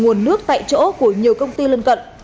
nguồn nước tại chỗ của nhiều công ty lân cận